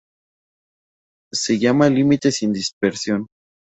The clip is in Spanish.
Se llama límite sin dispersión.